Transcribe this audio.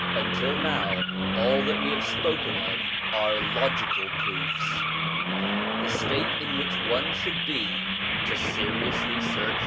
Until now, all that we have spoken of are logical proofs. The state in which one should be to seriously search 1 Of.